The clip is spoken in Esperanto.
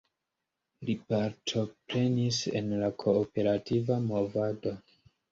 Li partoprenis en la kooperativa movado.